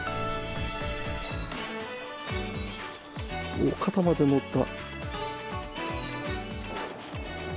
おっ肩までのった。